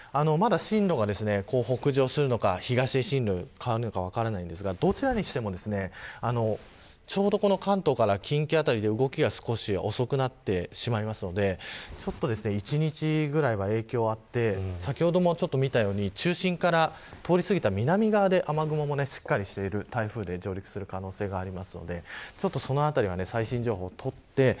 まだ進路が北上するのか東へ変わるのか分からないんですがどちらにしてもちょうど関東から近畿辺りで動きが少し遅くなってしまいますので１日ぐらいは影響があって先ほども見たように中心から通りすぎた南側で雨雲がしっかりしている台風で上陸する可能性がありますのでそのあたりは最新情報を見て